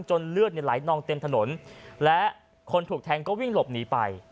เลือดไหลนองเต็มถนนและคนถูกแทงก็วิ่งหลบหนีไป